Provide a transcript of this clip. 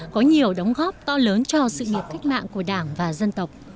có nhiều đóng góp to lớn cho sự nghiệp cách mạng của đảng và dân tộc